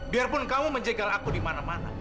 biarpun kamu menjegal aku di mana mana